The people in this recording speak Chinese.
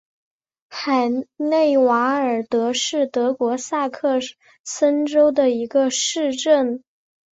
海内瓦尔德是德国萨克森州的一个市镇。